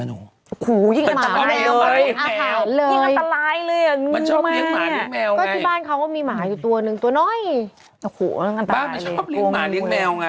ที่บ้านเขามีหมาอยู่ตัวนึงตัวน้อย